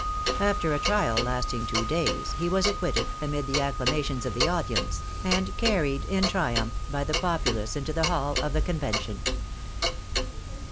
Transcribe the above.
After a trial lasting two days he was acquitted amid the acclama tions of the audience, and carried in triumph by the pop ulace into the hall of the Convention.